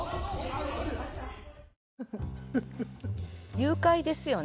誘拐ですよね